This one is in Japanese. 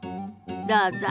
どうぞ。